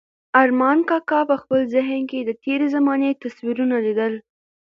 ارمان کاکا په خپل ذهن کې د تېرې زمانې تصویرونه لیدل.